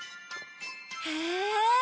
へえ！